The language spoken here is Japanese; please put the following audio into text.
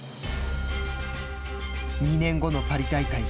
２年後のパリ大会。